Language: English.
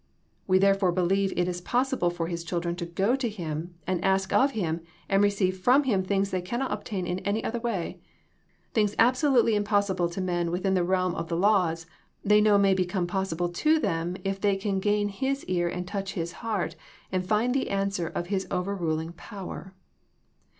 We therefore believe it is possible for His children to go to Him and ask of Him and receive from Him things they cannot obtain in any other way. Things absolutely impossible to men within the realm of the laws they know may become possible to them, if they can gain His ear and touch His Heart and find the answer of His over ruling power.